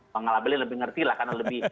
bang ngalabelnya lebih ngerti lah karena lebih